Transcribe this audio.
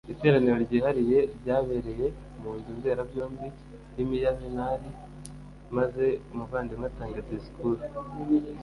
Iteraniro ryihariye ryabereye mu nzu mberabyombi y i miyanimari maze umuvandimwe atanga disikuru